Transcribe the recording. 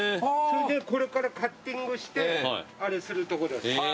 これからカッティングしてあれするとこです。